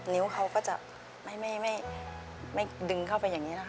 นิ้วเขาก็จะไม่ดึงเข้าไปอย่างนี้นะคะ